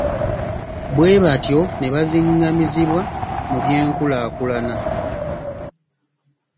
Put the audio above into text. Bwebatyo ne baziŋŋamizibwa mu byenkulaakulana.